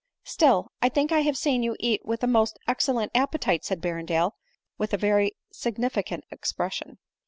" Still, I think I have seen you eat with a most excel lent appetite," said Berrendale, with a very significant expression.